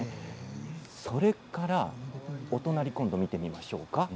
それからお隣今度見てみましょうか。